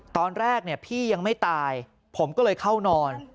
ตอนแรกพี่ยังไม่ตายผมก็เลยเข้านอน